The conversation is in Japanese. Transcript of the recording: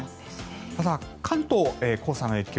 ただ、関東、黄砂の影響